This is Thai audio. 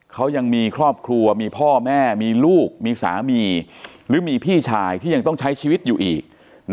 เขายังมีครอบครัวมีพ่อแม่มีลูกมีสามีหรือมีพี่ชายที่ยังต้องใช้ชีวิตอยู่อีก